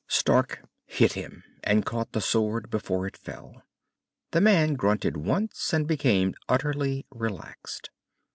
Stark hit him, and caught the sword before it fell. The man grunted once and became utterly relaxed.